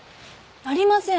ありません。